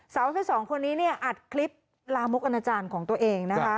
สาวที่สองคนนี้เนี่ยอัดคลิปลามกอนาจารย์ของตัวเองนะคะ